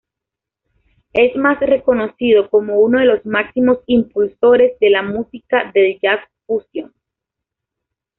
Es reconocido como uno de los máximos impulsores de la música del jazz fusión.